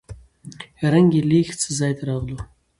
رنګ يې لېږ څه ځاى ته راغلو.